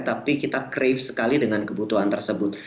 tapi kita crave sekali dengan kebutuhan tersebut